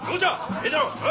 ええじゃろう！